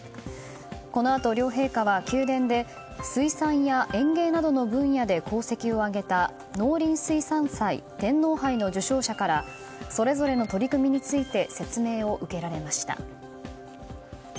このあと両陛下は、宮殿で水産や園芸などの分野で功績を上げた農林水産祭天皇杯の受賞者からそれぞれの取り組みについて説明を受けられました。